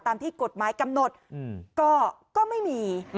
ตามที่กฎหมายกำหนดก็ไม่มี